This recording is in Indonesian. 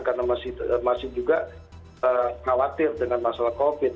karena masih juga khawatir dengan masalah covid